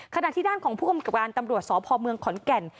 ขณะที่ด้านของผู้กำกับการตำรวจสพเมืองขอนแก่น